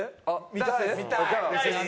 見たい！